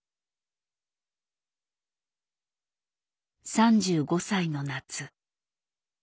３５歳の夏。